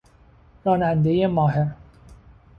رانندهی ماهر